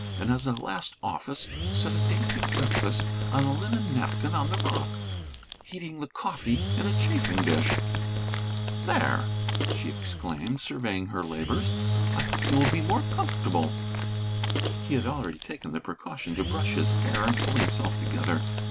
And as a last office, set a dainty breakfast on a linen napkin on the rock, heating the coffee in a chafing dish. "There!" she exclaimed, surveying her labors, "I hope you will be more comfortable." He had already taken the precaution to brush his hair and pull himself together.